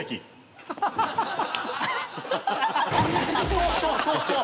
そうそうそうそう！